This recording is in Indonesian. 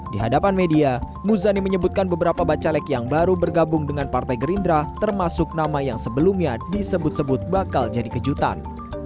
di hadapan media muzani menyebutkan beberapa bacalek yang baru bergabung dengan partai gerindra termasuk nama yang sebelumnya disebut sebut bakal jadi kejutan